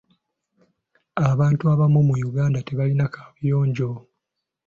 Abantu abamu mu Uganda tebalina kaabuyonjo.